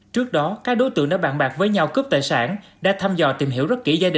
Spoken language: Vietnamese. trước đó các đối tượng đã bạn bạc với nhau cướp tài sản đã thăm dò tìm hiểu rất kỹ